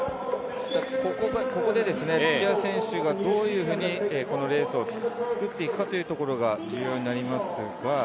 ここで土屋選手がどういうふうにこのレースを作っていくかというところが重要になりますが。